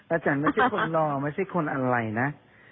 อาจารย์ไม่ใช่คนรอไม่ใช่คนอะไรนะ